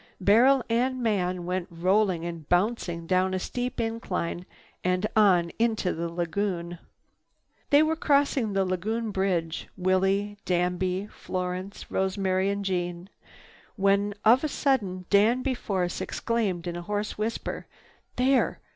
Barrel and man went rolling and bouncing down a steep incline and on into the lagoon. They were crossing the lagoon bridge, Willie, Danby, Florence, Rosemary and Jeanne, when of a sudden Danby Force exclaimed in a hoarse whisper, "There!